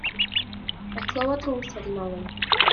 Mae clo y drws wedi malu.